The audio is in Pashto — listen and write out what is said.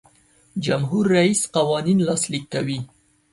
جمهور رئیس قوانین لاسلیک کوي.